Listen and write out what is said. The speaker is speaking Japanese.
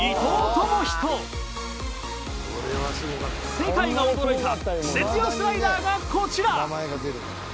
世界が驚いたクセ強スライダーがこちら。